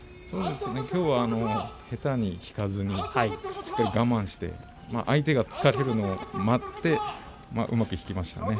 きょうは下手に引かずにしっかり我慢して相手が突っかけるのを待ってうまく引きましたね。